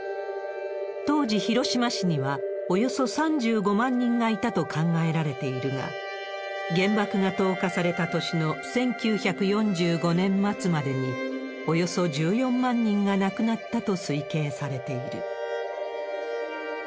当時、広島市にはおよそ３５万人がいたと考えられているが、原爆が投下された年の１９４５年末までに、およそ１４万人が亡くなったと推計されている。